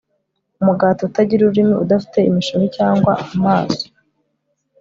umugati utagira ururimi udafite imishumi cyangwa amaso